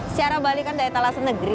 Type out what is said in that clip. secara bali kan daerah tala senegeri